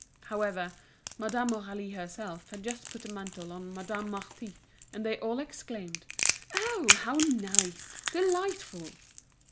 However, Madame Aurélie herself had just put the mantle on Madame Marty, and they all exclaimed: "Oh! how nice! delightful!"